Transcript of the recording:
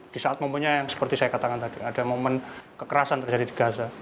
di saat momennya yang seperti saya katakan tadi ada momen kekerasan terjadi di gaza